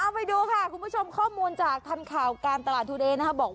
เอาไปดูค่ะคุณผู้ชมข้อมูลจากทำข่สการตลาดทูเดยนะคะ